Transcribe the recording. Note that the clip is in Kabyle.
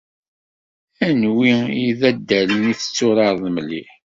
Anwi i d addalen i tetturareḍ mliḥ?